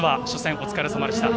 お疲れさまでした。